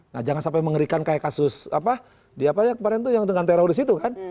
nah jangan sampai mengerikan kayak kasus apa di apa yang kemarin tuh yang dengan teroris itu kan